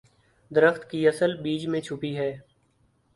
درخت کی اصل بیج میں چھپی ہے۔